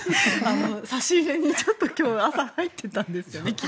差し入れにちょっと今日朝、入ってたんですよね